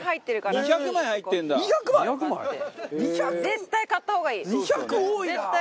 絶対買った方がいいですよ。